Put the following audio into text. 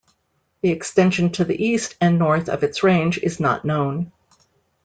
The extension to the east and north of its range is not known.